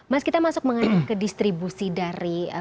mas kita masuk mengenai kedistribusi dari